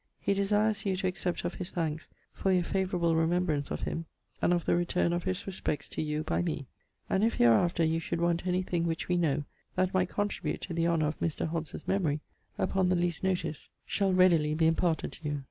He desires you to accept of his thanks for your favourable remembrance of him, and of the returne of his respects to you by me. And if hereafter you should want any thing which we know, that might contribute to the honour of Mr. Hobbes's memory, upon the least notice, shall readily be imparted to you.